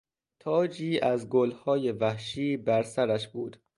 تاجی از گلهای وحشی بر سرش بود.